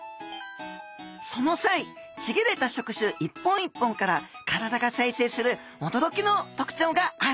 その際ちぎれた触手一本一本から体が再生するおどろきの特徴があるんですよ。